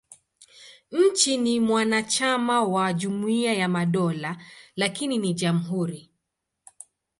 Nchi ni mwanachama wa Jumuiya ya Madola, lakini ni jamhuri.